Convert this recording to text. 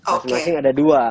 masing masing ada dua